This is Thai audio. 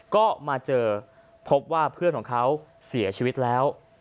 ก็มาเจอพบว่าเพื่อนของเขาเสียชีวิตแล้ว